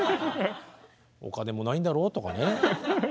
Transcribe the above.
お金もないんだろうとかね。